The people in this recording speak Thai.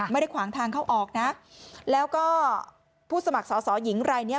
ขวางทางเข้าออกนะแล้วก็ผู้สมัครสอสอหญิงรายเนี้ย